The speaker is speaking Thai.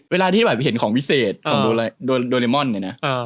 เวลาที่มันเห็นของวิเศษโดไลม่อนเนี่ยนะ